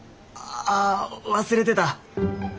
あ忘れてた。